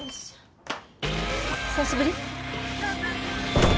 久しぶり！